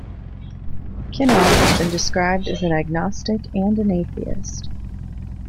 Kinnock has been described as an agnostic and an atheist.